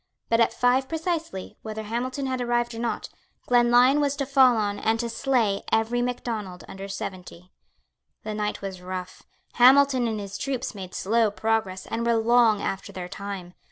But, at five precisely, whether Hamilton had arrived or not, Glenlyon was to fall on, and to slay every Macdonald under seventy. The night was rough. Hamilton and his troops made slow progress, and were long after their time.